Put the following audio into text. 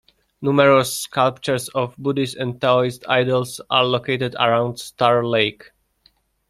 Numerous sculptures of Buddhist and Taoist idols are located around Star Lake.